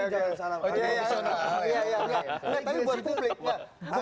jangan salah pak